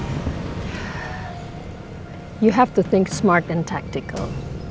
kamu harus berpikir smart dan taktikal